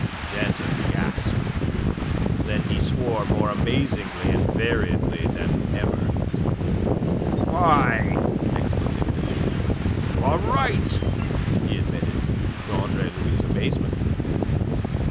Danton gasped. Then he swore more amazingly and variedly than ever. "By ! you are right," he admitted, to Andre Louis' amazement.